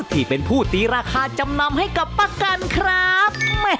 ที่เป็นผู้ตีราคาจำนำให้กับประกันครับ